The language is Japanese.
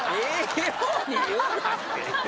ええように言うなって。